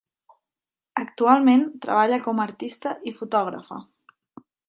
Actualment treballa com a artista i fotògrafa.